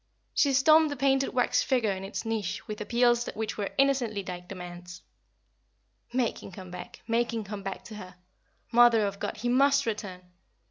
She stormed the painted wax figure in its niche with appeals which were innocently like demands. Make him come back make him come back to her. Mother of God, he must return!